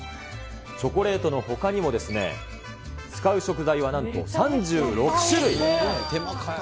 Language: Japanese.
チョコレートのほかにも、使う食材はなんと３６種類。